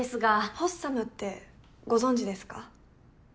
ポッサムってご存じですか？